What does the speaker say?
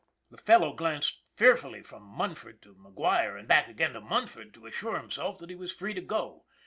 The fellow glanced fearfully from Munford to McGuire and back again to Munford to assure him self that he was free to go.